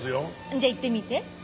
じゃ言ってみて。